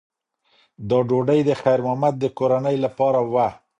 دا ډوډۍ د خیر محمد د کورنۍ لپاره وه.